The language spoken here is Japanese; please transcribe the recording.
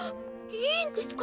いいんですか？